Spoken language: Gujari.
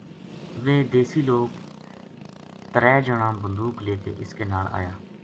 ویہ دیسی لوک ترے جنا بندوق لے کے اس کے نال آیا